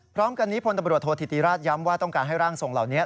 พร้อมกันนี้พลตำรวจโทษธิติราชย้ำว่าต้องการให้ร่างทรงเหล่านี้